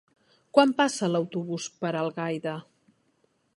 Quan passa l'autobús per Algaida?